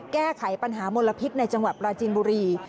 แก้ไขปัญหามลพิษในจังหวัดปราจีนบุรี